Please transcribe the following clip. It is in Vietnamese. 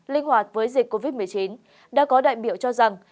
linh hoạt với dịch covid một mươi chín đã có đại biểu cho rằng